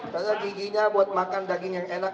karena giginya buat makan daging yang enak